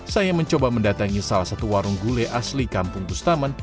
saya mencoba mendatangi salah satu warung gulai asli kampung bustaman